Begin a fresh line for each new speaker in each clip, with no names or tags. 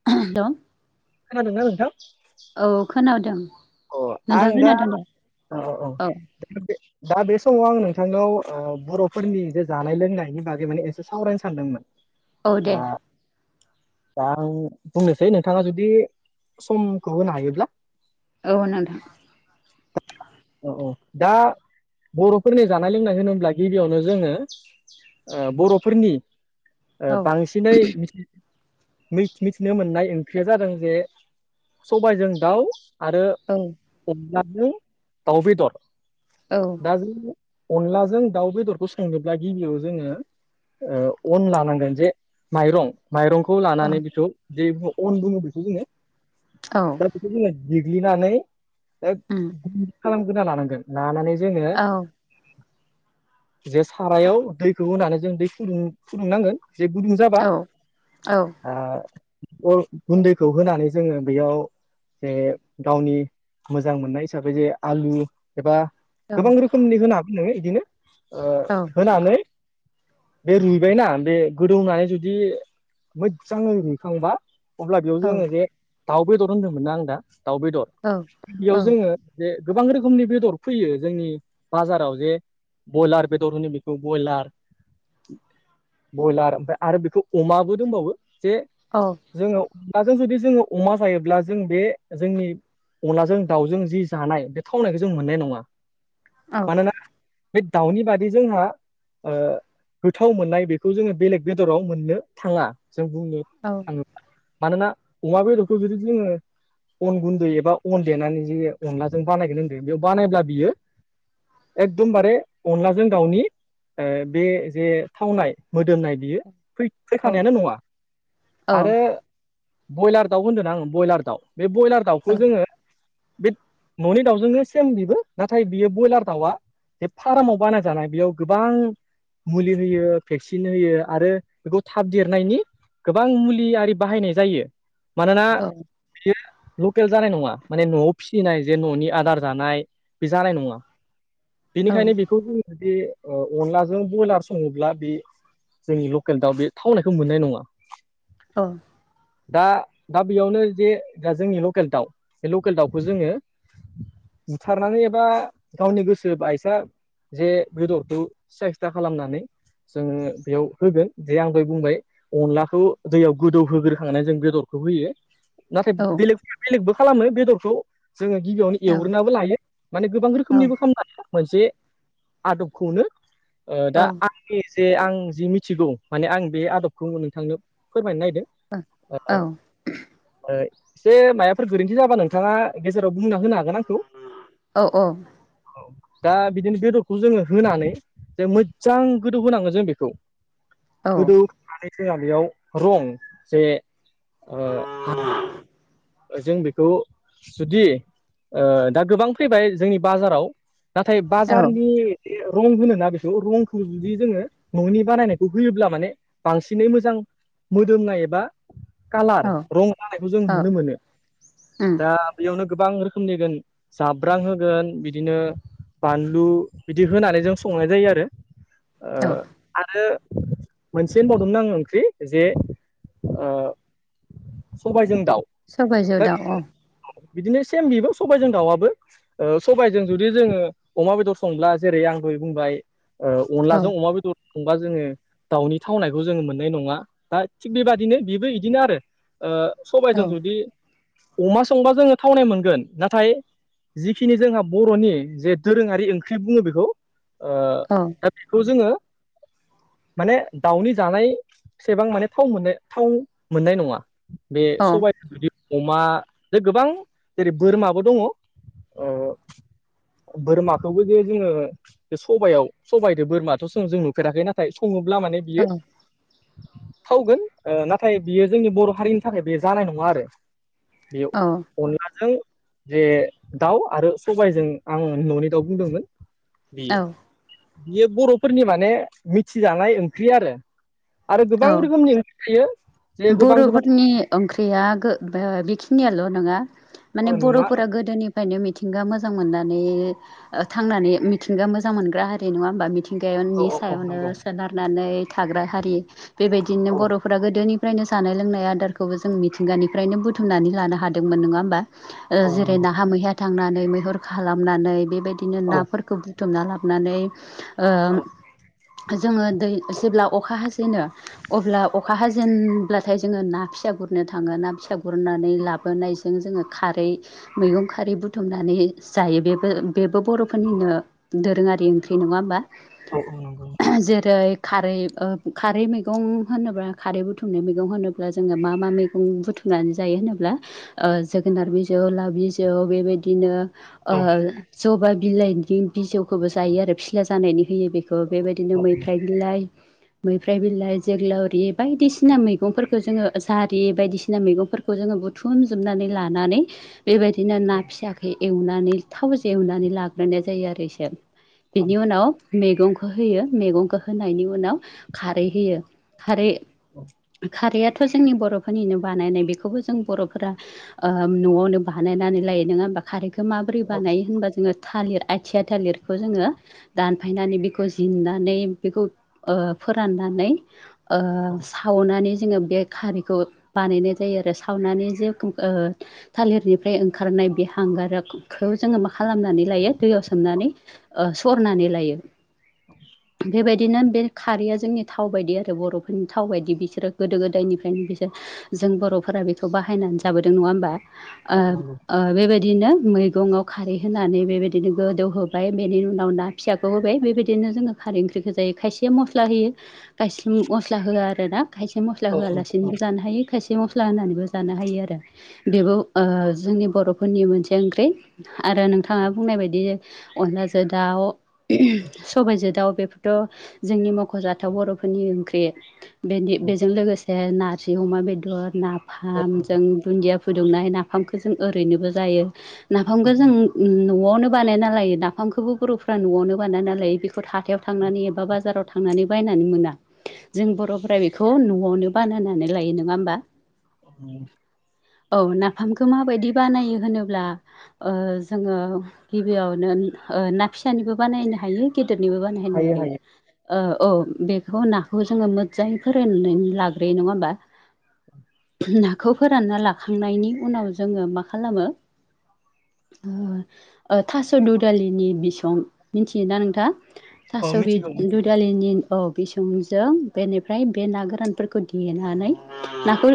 [unintelligible]
खोनादोंना नोंथां?
औ खोनादों
अ
नोंथां
आं दा
खोनादों दे औ
दा बे समाव आं नोंथांनाव ओ बर'फोरनि जे जानाय लोंनायनि बागै माने एसे सावरायनो सानदोंमोन
औ
ओ
दे
दा आं बुंनोसै नोंथाङा जुदि समखौ होनो हायोब्ला
औ नोंथां
औ औ दा बर'फोरनि जानाय लोंनाय होनोब्ला गिबियावनो जोङो ओ बर'फोरनि ओ
औ
बांसिनै [inaudible] मिथिनो मोननाय ओंख्रिया जादों जे सबायजों दाउ आरो
औ
अनलाजों दाव बेदर
औ
दा जों अनलाजों दाउ बेदरखौ संनोब्ला गिबियाव जोङो ओ अन लानांगोन जे माइरं माइरंखौ
औ
लानानै बेखौ जे बुङो अन बुङो बेखौ जोङो
औ
दा बेखौ जोङो देग्लिनानै एक
उम
गुन्दै खालामगोरना लानांगोन लानानै जोङो
औ
जे सारायाव दैखौ होनानै जों दै खुदुं गुदुं नांगोन जे गुदुं जाबा
औ औ
ओ गुन्दैखौ होनानै जोङो बेयाव जे गावनि मोजां मोननाय हिसाबै जे आलु एबा गोबां रोखोमनि होनो हागोन नोङो इदिनो
औ
ओ होनानै बे रुइबायनाा बे गोदौनानै जुदि मोजाङै रुइखांबा अब्ला बेयाव
औ
जोङो जे दाउ बेदर होन्दोंमोनना आं दा दाउ बेदर बेयाव
औ
जोङो जे गोबां रोखोमनि बेदर फैयो जोंनि बाजाराव जे ब्रयलार बेदर होनो बेखौ ब्रयलार बयलार ओमफ्राय आरो बेखौ अमाबो दंबावो जे
औ
जोङो अनलाजों जुदि जोङो अमा जायोब्ला जों बे जोंनि अनलाजों दाउजों जि जानाय बे थावनायखौ जों मोननाय नङा
औ
मानोना बे दाउनि बादै जोंहा ओ गोथाव मोननाय बेखौ जोङो बेलेग बेदराव मोननो थाङा जों बुंनो
औ
आङो मानोना अमा बेदरखौ जदि जोङो अन गुन्दै एबा अन देनानै जे अनलाजों बानायगोन होनदों बेयाव बानायब्ला बियो एकदमबारे अनलाजों गावनि ओ बे जे थावनाय मोदोमनाय बियो फैफेरखानायानो नङा आरो ब्रयलार दाउ होनदों ना आङो ब्रयलार दाउ बे ब्रयलार दाउखौ जोङो बे न'नि दाउजोंनो सेम बेबो नाथाय बियो ब्रयलार दाउआ बे फार्माव बानाय जानाय बेयाव गोबां मुलि होयो भेक्सिन होयो आरो बेखौ थाब देरनायनि गोबां मुलि आरि बाहायनाय जायो मानोना बियो लकेल जानाय नङा माने न'आव फिसिनाय जे न'नि आदार जानाय बे जानाय नङा बेनिखायनो बेखौ जोङोदि अनलाजों ब्रयलार सङोब्ला बे जोंनि लकेल दाउ बे थावनायखौ मोननाय नङा
औ
दा दा बेयावनो जे दा जोंनि लकेल दाउ बे लकेल दाउखौ जोङो बुथारनानै एबा गावनि गोसो बायसा जे बेदरखौ सिायस्था खालामनानै जोङो बेयाव होगोन जे आं दाय बुंबाय अनलाखौ दैयाव गोदौहोग्रोखांनानै जों बेदरखौ होयो। नाथाय बेलेग फैया बेलेगबो खालामो बेदरखौ जोङो गिबियावनो एवगोनाबो लायो माने गोबां रोखोमनिबो खालामामनो हायो। मोनसे आदबखौनो ओ दा आंनि जे आं जि मिथिगौ माने आं बे आदबखौ नोंथांनो फोरमायनो नागिरदों ओ ओ एसे मायााबफोर गोरोन्थि जाबा नोंथाङा गेजेराव बुंना होनो हागोन आंखौ।
औ औ
दा बिदिनो बेदरखौ जोङो होनानै जे मोजां गोदौ होनाङो जों बेखौ गोदौनानै जोंहा बेयाव रं जे ओ जों बेखौ जुदि ओ दा गोबां फैबाय जोंनि बाजाराव नाथाय बाजारनि रं होनोना बेखौ रंखौ जुदि जोङो न'नि बानायनायखौ होयोब्ला माने बांसिनै मोजां मोदोमनाय एबा कालार रं जानायखौ जों नुनो मोनो।
उम
दा बेयावनो गोबां रोखोमनिगोन जाब्रां होगोन बिदिनो बानलु बिदि होनानै जों संनाय जायो आरो। ओ
औ।
आरो मोनसे होनबावदोंमोन आं ओंख्रि जे ओ सबायजों दाउ
सबायजों
दा
दाउ अ।
बिदिनो सेम बिबो सबायजों दाउआबो। ओ सबायजों जुदि जोङो अमा बेदर संब्ला जेरै आं दै बुंबाय ओ
औ
अनलाजों अमा बेदर संबा जोङो दाउनि थावनायखौ जोङो मोननाय नङा दा थिग बेबादिनो बेबो बिदिनो आरो। ओ
औ
सबायजों जुदि अमा संबा जोङो थावनाय मोनगोन नाथाय जिखिनि जोंहा बर'नि जे दोरोङारि ओंख्रि बुङो बेखौ ओ
औ।
दा बेखौ जोङो माने दाउनि जानायसेबां माने थाव मोननाय थाव मोननाय नङा। बे
औ
सबाइ जुदि अमा जे गोबां जेरै बोरमाबो दङ ओ बोरमाखौबो जे जोङो बे सबायाव सबाइदो बोरमाथ' स' जों नुफेराखै नाथाय सङोब्ला माने बियो थावगोन ओ नाथाय बियो जोंनि बर' हारिनि थाखाय बेयो जानाय नङा आरो। बेयाव
औ।
अनलाजों जे दाउ आरो सबायजों आं न'नि दाउ बुंदोंमोन। बियो
औ
बियो बर'फोरनि माने मिथिजानाय ओंख्रि आरो। आरो
औ
गोबां रोखोमनि ओंख्रि थायो। जे गोबां गोबां
बर'फोरनि ओंख्रिया गो ओ बेखिनियाल' नङा माने
ओ नङा
बर'फोरा गोदोनि फायनो मिथिंगा मोजां मोननानै थांनानै मिथिंगा मोजां मोनग्रा हारि नङा होमबा मि
औ
थिंगायावनि
औ
सायावनो
नंगौ
सोनारनानै थाग्रा हारि बेबायदिनो
औ
बर'फोरा गोदोनि फ्रायनो जानाय लोंनाय आदारखौबो जों मिथिंगानिफ्रायनो बुथुमनानै लानो हादोंमोन नङा होमबा? ओ
औ
जेरै
नंगौ
नाहा मैया थांनानै मैहुर खालामनानै बेबायदिनो
औ
नाफोरखौ बुथुमना लाबोनानै ओ
औ
जोङो दै जेब्ला अखा हाजेनो अब्ला अखा हाजेन ब्लाथाय जोङो ना फिसा गुरनो थाङो ना फिसा गुरनानै लाबोनायजों जोङो खारै मैगं खारै बुथुमनानै जायो बेबो बेबो बर'फोरनिनो दोरोङारि ओंख्रि नङा होमबा?
औ औ नंगौ।
जेरै खारै ओ खारै मैगं होनोब्ला खारै बुथुम मनाय मैगं होनोब्ला जोङो मा मा मैगं बुथुमनानै जायो होनोब्ला ओ जोगोनार बिजौ लाव बिजौ बेबायदिनो ओ
औ
जबा बिलाइनि बिजौखौबो जायो आरो फिला जानायनि होयो बे ओ बेबायदिनो
औ
मैफ्राय बिलाइ मैफ्राय बिलाइ जोग्लावरि बायदिसि सिना मैगंफोरखौ जोङो जारि बायदिसिना मैगंफोरखौ जोङो बुथुमजोबनानै लानानै बेबायदिनो ना फियाखै एवनानै थाव ज एवनानै लाग्रोनाय जायो आरो इसे
औ
बिनि उनाव मैगंखौ होयो मैगंखौ होनायनि उनाव खारै होयो खारै खारैयाथ' जोंनि बर'फोरनिनो बानायनाय बेखौबो जों बर'फोरा न'आवनो बानायनानै लायो नङा होमबा खारैखौ माबोरै बानायो होनबा जोङो थालिर आथियाइ थालिरखौ जोङो दानफायनानै बेखौ जिन्नानै बेखौ फोराननानै
औ
सावनानै जोङो बे खारैखौ बानायनाय जायो आरो सावनानै जे थालिरनिफ्राय ओंखारनाय बे हांगारखौ जोङो मा खालामनानै लायो दैयाव सोमनानै सरनानै लायो बेबायदिनो बे खारैया जोंनि थाव बायदि आरो बर'फोरनि थाव बायदि बिसोरो गोदो गोदायनिफ्रायनो बिसोर जों बर'फोरा बेखौ बाहायनानै जाबोदों नङा होमबा ओ
औ नंगौ
ओ बेबायदिनो मै गङाव खारै होनानै बेबायदिनो गोदौहोबाय बेनि उनाव ना फिसाखौ होबाय बेबायदिनो जोङो खारै ओंख्रिखौ जायो खायसे मस्लाहोयो खायसे म मस्ला होआ आरोना खायसे मस्ला
औ
होआलासिनोबो जानो हायो खायसे मस्ला मस्ला होननानैबो जानो हायो आरो बेबो जोंनि बर'फोरनि मोनसे ओंख्रि आरो नोंथाङा बुंनाय बायदि अनलाजों दाउ उह सबायाइजों दाउ बेफोर थ' जोंनि मख'जाथाव बर'फोरनि ओंख्रि बेनि
औ
बेजों लोगोसे नारजि अमा बेदर नाफाम जों दुन्दिया फुदुंनाय नाफामखौ जों ओरैनोबो जायो
औ
नाफामखौ जों न'आवनो बानायना लायो नाफामखौबो बर'फ्रा न'आवनो बानायना लायो बे हाथथायाव थांनानै एबा बाजाराव थांनानै बायनानै मोना जों बर'फोरा बेखौ न'आवनो बान होनानै लायो नङा होमबा?
[inaudible]
औ नाफामखौ माबायदि बानायो होनोब्ला ओ जोङो गिबियावनो ना फिसानिबो बानायनो हायो गेदेरनिबो बानायहाय
हायो हायो
नायहाय आऔ बेखौ ना बेखौ जोङो मोजाङै फोररायनानै लाग्रोयो नङा होमबा नाखौ फोरानना लाखांनायनि उनाव जोङो मा खालामो ओ थास' दुदालिनि बिसं मिथियोना नोंथाङा?
औ
थास' बि
मिथिगौ मिथिगौ
दुदालिनि औ बिसंनि जों बेनिफ्राय बे ना गोरानफोरखौ देनानै नाखौ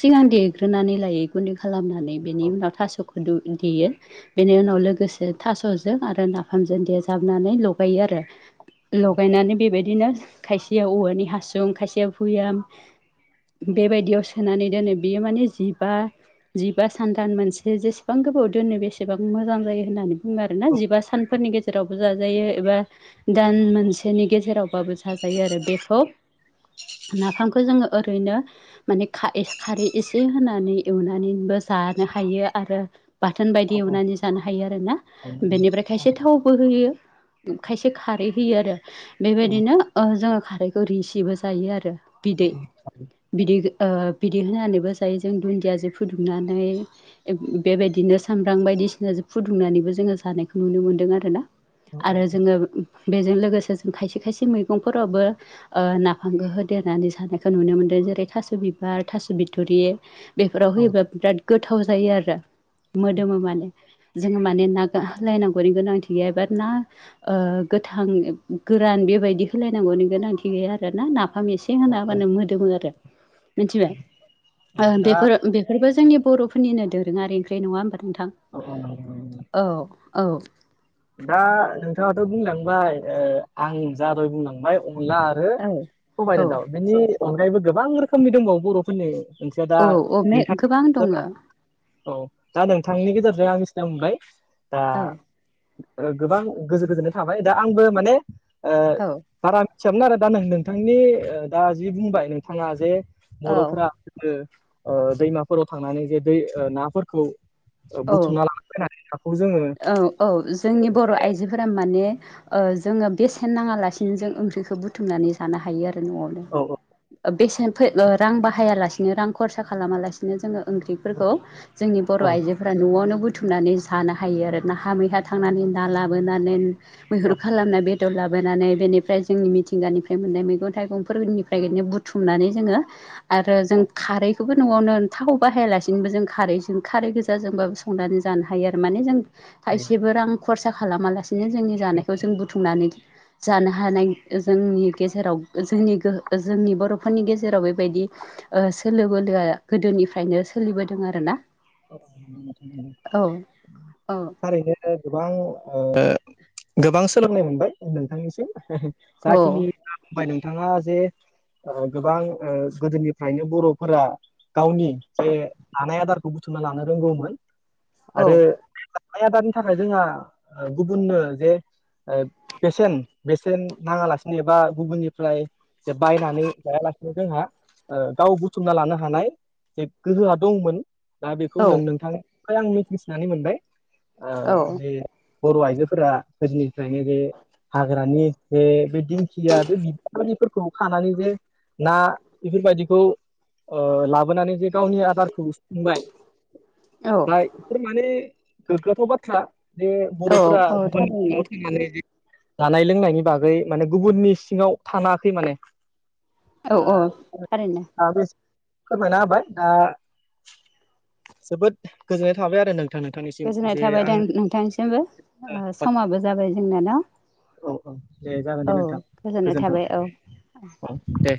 सिगां देग्रोनानै लायै गुन्दै खालामनानै बेनि
औ
उनाव थास'खौ दु देयो बेनि उनाव लोगोसे थास'जों आरो नाफामजों देजाबनानै लगायो आरो लगायनानै बेबायदिनो खायसेयाव औवानि हासुं खायसेया भुयाम बेबायदियाव सोनानै दोनो बियो माने जिबा जिबा सानथान मोनसे जेसेबां गोबाव दोनो बेसेबां मोजां जायो होननानै बुङो आरो ना जिबा सानफोरनि गेजेराव जाजारो एबा दानमोनसेनि गेजेरावबाबो जाजायो आरो बेखौ नाफामखौ जोङो ओरैनो माने खारै एसे होनानै एवनानैबो जानो हायो आरो बाथोन
औ
बायदि
औ
एवनानै जानो हायो आरो ना
हायो
बेनिफ्राय खायसे थाव बोहोयो खायसे खारै होयो आरो
औ औ
बेबायदिनो ओ जोङो खौ रिसिबो जायो आरो बिदै बिदै ओ बिदि होनानैबो जायो जों दुन्दियाजों फुदुंनानै बेबायदिनो सामब्राम बायदिसिना फुदुंनानैबो जोङो जानायखौ नुनो मोन्दों आरोना आरो जोङो बेजों लोगोसे जों खायसे खायसे मैगंफोरावबो ओ नाफामखो होदेरनानै जानायखौ नुनो मोन्दों जेरै थास' बिबार थास' बिथरि बेफोराव
औ
होयोब्लाा बिराद गोथाव जायो आरो मोदोमो माने जोङो माने ना [unintelligible] नांगौनि गोनांथि गैया बाद ना ओ गोथां गोरान बेबायदि होलायनांगौ गोनां थिगैया आरोना नाफाम एसें
औ औ
होनाबानो मोदोमो आरो मिथिबाय ओ
दा
बेफोर बेफोरबो जोंनि बर'फोरनिनो दोरोङारि ओंख्रि नङा हबा नोंथां?
[inaudible]
औ औ
दा नोंथाङाथ' बुंलांबाय ओ आं जा दहय बुंलांबाय अनला आरो आरो
औ औ
सबायदों दाउ बेनि अनगायैबो गोबां रोखोमनि दंबावो बर' फोरनि ओंख्रिया
औ
दा
औ गोबां दङ औ
[inaudible] औ दा नोंथांनि गेजेरजों आं मिथिना मोनबाय दा
औ
गोबां गोजो गोजोननाय थाबाय दा आंबो माने ओ
औ
बारा मिथियामोन आरो दा नों नोंथांनि ओ दा जि बुंबाय नोंथाङा जे
औ
बर'फोरा ओ दैमाफोराव थांनानै जे दै ओ नाफोरखौ बुथुमना ला नानै हाखौ जोङो
औ औ जोंनि बर' आइजोफोरा माने ओ जोङो बेसेन नाङालासिनो जों ओंख्रिखौ बुथुमनानै जानो हायो आरो न'आवनो
औ
ओ बेसेन फै औ रां बाहायालासिनो रां खरसा खालामालासिनो बिदिनो जोङो ओंख्रिफोरखौ जोंनि बर'
औ औ
आइजोफोरा न'आवनो बुथुमनानै जानो हायो हायो आरो ना हा मैहा थांनानै ना लाबोनानै मैहुर
औ
खालामनाय बे लाबोनानै बेनिफ्राय जोंनि मिथिंगानिफ्राय मोननाय मैगं थाइगंफोरनिफ्राय बिदिनो बुथुमनानै जोङो आरो जों खारै खौबो न'आवनो थाव बाहायालासिनोबो जों खारैजों खारै गोजाजोंबाबो संनानै जानो हायो आरो माने जों
हायो
थायसेबो रां खरसा खालामालासिनो जोंनि जानायखौ जों बुथुमनानै जानो हानाय जोंनि गेजेराव जोंनि गोहो जोंनि बर'फोरनि गेजेराव बेबायदि ओ सोलो बोलोआ गोदोनिफ्रायनो सोलिबोदों आरो ना
[unintelligible]
औ
थारैनो गोबां ओ गोबां सोलोंनो मोनबाय नोंथांनिसिम [unintelligible]
औ
जाखिनि बुंबाय नोंथाङा जे गोबां ओ गोदोनिफ्रायनो बर'फोरा गावनि जे हानाय आदार बुथुमना लानो रोंगौमोन आरो जानाय आदारनि थाखाय जोंहा गुबुननो जे ओ बेसेन बेसेन नाङालासिनो एबा गुबुननिफ्राय जे बायनानै लायालासेनो जोंहा ओ गाव बुथुमना लानो हानाय जे गोहोआ दंमोन दा बेखौ
औ
जों नोंथांनिफ्राय आं मिथिसनानै मोनबाय ओ जे बर' आइजोफोरा गोदोनिफ्रायनो बे हाग्रानि जे बे दिंखिया बे [unintelligible] फोरखौ खानानै जे ना बेफोरबायदिखौ ओ लाबोनानै बे गावनि आदारखौ बुंबाय
औ
बाय बेफोर माने गोग्गाथाव बाथ्रा जे
औ
बर'फोरा
औ
गुबुननि
थारैनो
[unintelligible] थांनानै जानाय लोंनायनि बागै माने गुबुननि सिङाव थानाङाखै माने
औ
ओ
औ थारैनो
फोरमायना होबाय आह जोबोद गोजोननाय थाबाय आरो नों
गोजोननाय थाबाय दा नोंथांसिमबो समाबो जाबाय जोंना न
औ औ दे जागोन दे
औ
नोंथां
गोजोननाय
गोजोन्थों
थाबाय औ
औ दे